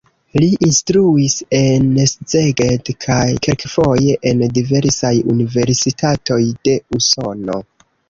Li instruis en Szeged kaj kelkfoje en diversaj universitatoj de Usono.